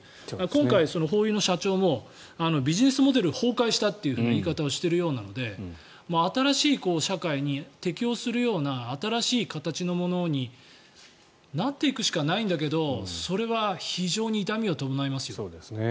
今回、ホーユーの社長もビジネスモデル崩壊したっていう言い方をしているようなので新しい社会に適応するような新しい形のものになっていくしかないんだけどそれは非常に痛みを伴いますよ。